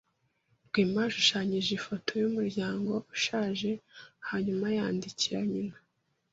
Rwema yashushanyije ifoto yumuryango ushaje hanyuma ayandikira nyina.